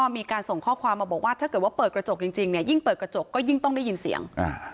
มีการส่งข้อความมาบอกว่าถ้าเกิดว่าเปิดกระจกจริงจริงเนี่ยยิ่งเปิดกระจกก็ยิ่งต้องได้ยินเสียงอ่า